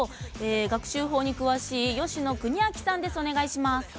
学習法に詳しい吉野邦昭さんです。